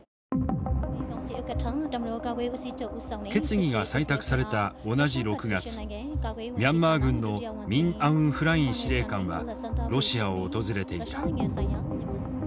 決議が採択された同じ６月ミャンマー軍のミン・アウン・フライン司令官はロシアを訪れていた。